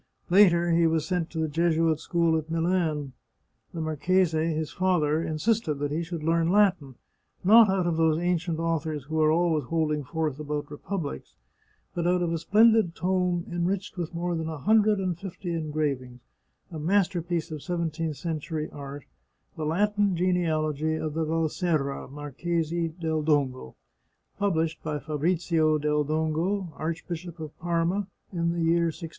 Later he was sent to the Jesuit school at Milan. The marchese, his father, insisted that he should learn Latin, not out of those ancient authors who are always holding forth about republics, but out of a splendid tome enriched with more than a hundred and fifty engravings, a masterpiece of seventeenth century art, the Latin Genealogy of the Valserra, Marchesi del Dongo, published by Fabrizio del Dongo, Archbishop of Parma, in the year 1650.